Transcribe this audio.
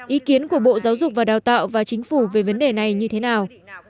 ý kiến của bộ giáo dục và đào tạo và chính phủ về vấn đề này như thế nào